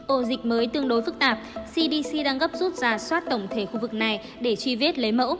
ồ dịch mới tương đối phức tạp cdc đang gấp rút ra xoát tổng thể khu vực này để truy vết lấy mẫu